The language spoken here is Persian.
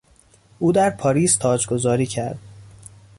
او در پاریس تاجگذاری کرد.